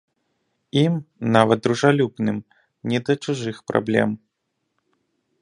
Ім, нават дружалюбным, не да чужых праблем.